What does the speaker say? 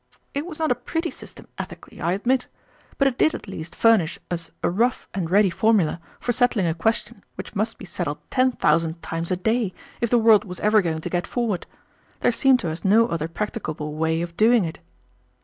It was not a pretty system ethically, I admit; but it did, at least, furnish us a rough and ready formula for settling a question which must be settled ten thousand times a day if the world was ever going to get forward. There seemed to us no other practicable way of doing it."